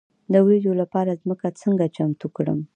د وریجو لپاره ځمکه څنګه چمتو کړم؟